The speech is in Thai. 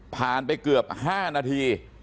ไปเกือบ๕นาที